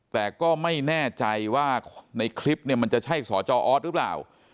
แต่ก็ไม่แน่ใจว่าในคลิปเนี่ยมันจะใช่สจออสหรือเปล่า